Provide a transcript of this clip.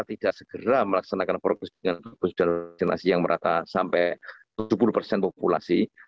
tidak segera melaksanakan provokasi dengan provokasi dan vaksinasi yang merata sampai tujuh puluh persen populasi